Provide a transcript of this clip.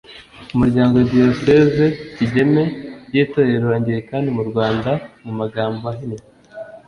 Umuryango Diyoseze Kigeme y Itorero Angilikani mu Rwanda mu magambo ahinnye